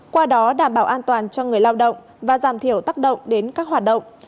qua đó đảm bảo an toàn cho người lao động và giảm thiểu tác động đến các hoạt động